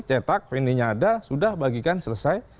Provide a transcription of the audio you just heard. cetak vin nya ada sudah bagikan selesai